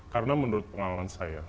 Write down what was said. karena menurut pengalaman saya